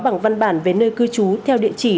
bằng văn bản về nơi cư trú theo địa chỉ